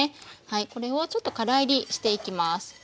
これをちょっとから煎りしていきます。